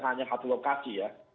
hanya satu lokasi ya